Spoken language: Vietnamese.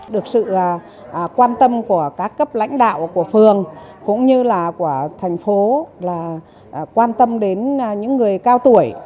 được sự quan tâm của các cấp lãnh đạo của phường cũng như là của thành phố là quan tâm đến những người cao tuổi